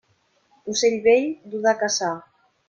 Ocell vell, dur de caçar.